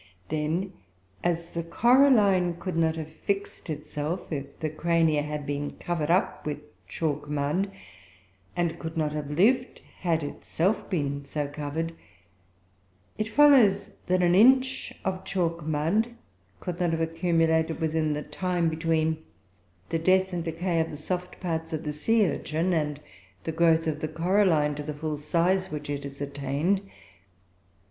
Then, as the coralline could not have fixed itself, if the Crania had been covered up with chalk mud, and could not have lived had itself been so covered, it follows, that an inch of chalk mud could not have accumulated within the time between the death and decay of the soft parts of the sea urchin and the growth of the coralline to the full size which it has attained.